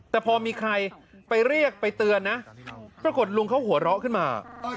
แต่พอมีใครไปเรียกไปเตือนนะปรากฏลุงเขาหัวเราะขึ้นมา